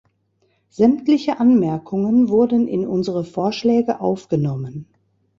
Sämtliche Anmerkungen wurden in unsere Vorschläge aufgenommen.